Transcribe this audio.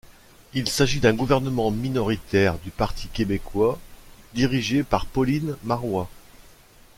Il s'agit d'un gouvernement minoritaire du Parti québécois, dirigé par Pauline Marois.